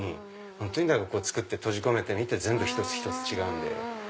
とにかく作って閉じ込めて全部一つ一つ違うので。